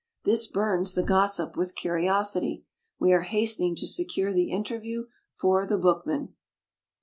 This burns the Gossip with curios ity. We are hastening to secure the interview for The Bookman.